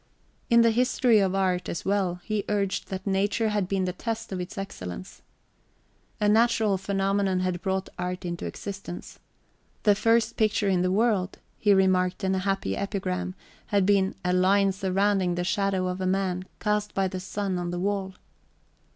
In the history of art, as well, he urged that nature had been the test of its excellence. A {xvi} natural phenomenon had brought art into existence. The first picture in the world, he remarked in a happy epigram, had been "a line surrounding the shadow of a man, cast by the sun on the wall."